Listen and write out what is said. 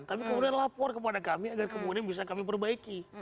tapi kemudian lapor kepada kami agar kemudian bisa kami perbaiki